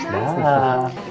daum pak daum mak